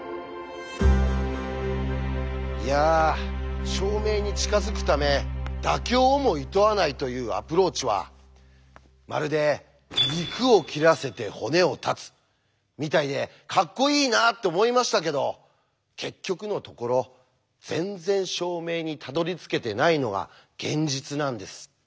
いや証明に近づくため妥協をもいとわないというアプローチはまるで「肉を切らせて骨を断つ」みたいでカッコいいなって思いましたけど結局のところ全然証明にたどりつけてないのが現実なんです。